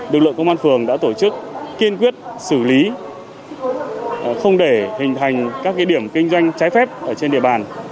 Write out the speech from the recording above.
lực lượng công an phường đã tổ chức kiên quyết xử lý không để hình thành các điểm kinh doanh trái phép ở trên địa bàn